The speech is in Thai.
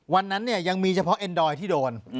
วันนั้นยังมีเฉพาะเอนดอยที่โดน